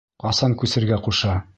Ҡасан күсергә ҡуша?